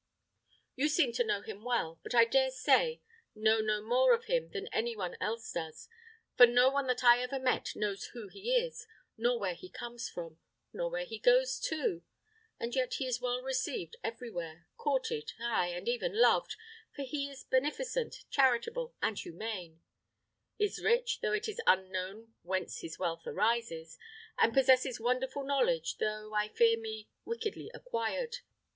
You seem to know him well, but I dare say know no more of him than any one else does; for no one that I ever met knows who he is, nor where he comes from, nor where he goes to; and yet he is well received everywhere, courted, ay, and even loved, for he is beneficent, charitable, and humane; is rich, though it is unknown whence his wealth arises, and possesses wonderful knowledge, though, I fear me, wickedly acquired.